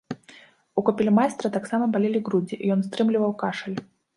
У капельмайстра таксама балелі грудзі, і ён стрымліваў кашаль.